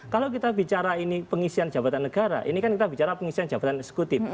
kalau kita bicara ini pengisian jabatan negara ini kan kita bicara pengisian jabatan eksekutif